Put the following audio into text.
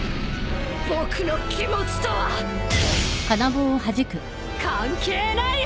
僕の気持ちとは関係ない話だ！